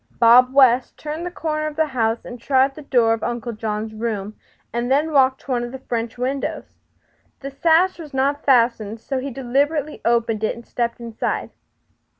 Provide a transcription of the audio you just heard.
Bob West turned the corner of the house, tried the door of Uncle John's room, and then walked to one of the French windows. The sash was not fastened, so he deliberately opened it and stepped inside.